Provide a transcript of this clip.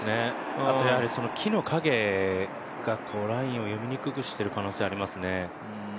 木の影がラインを読みにくくしている可能性がありますね。